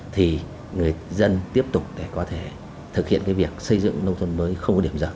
thì người dân tiếp tục để có thể thực hiện cái việc xây dựng nông thôn mới không có điểm giật